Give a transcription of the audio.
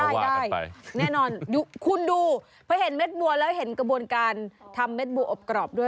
ได้แน่นอนคุณดูเพราะเห็นเม็ดบัวแล้วเห็นกระบวนการทำเม็ดบัวอบกรอบด้วย